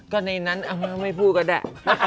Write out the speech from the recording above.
ก็ในนั้นเอามาไม่พูดก็ได้